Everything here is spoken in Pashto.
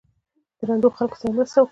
د ړندو خلکو سره مرسته وکړئ.